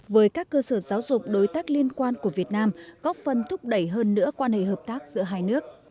với các cơ sở giáo dục đối tác liên quan của việt nam góp phần thúc đẩy hơn nữa quan hệ hợp tác giữa hai nước